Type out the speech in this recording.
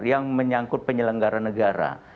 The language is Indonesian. yang menyangkut penyelenggaraan negara